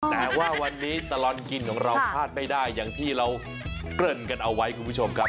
แต่ว่าวันนี้ตลอดกินของเราพลาดไม่ได้อย่างที่เราเกริ่นกันเอาไว้คุณผู้ชมครับ